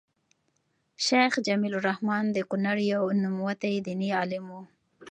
شيخ جميل الرحمن د کونړ يو نوموتی ديني عالم وو